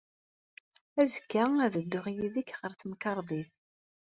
Azekka, ad dduɣ yid-k ɣer temkarḍit.